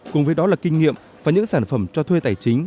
cùng với đó là kinh nghiệm và những sản phẩm cho thuê tài chính